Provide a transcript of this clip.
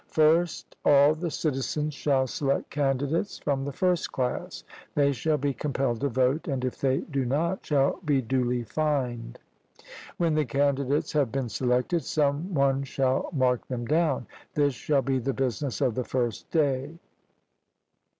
First, all the citizens shall select candidates from the first class; they shall be compelled to vote, and, if they do not, shall be duly fined. When the candidates have been selected, some one shall mark them down; this shall be the business of the first day.